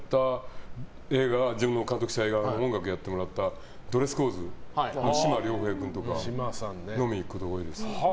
最近だとは自分が監督した映画の音楽やってもらったドレスコーズのシマ・リョウヘイ君とか飲みに行くことが多いです。